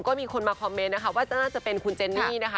ก็มีคนมาคอมเมนต์นะคะว่าน่าจะเป็นคุณเจนนี่นะคะ